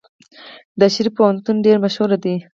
د شریف پوهنتون ډیر مشهور دی.